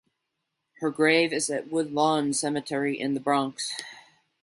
Her grave is at Woodlawn Cemetery in the Bronx.